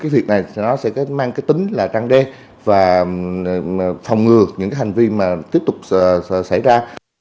việc này sẽ mang tính trăng đen và phòng ngừa những hành vi tiếp tục xảy ra